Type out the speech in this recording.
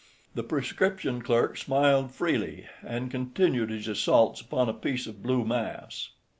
The prescription clerk smiled freely, and continued his assaults upon a piece of blue mass.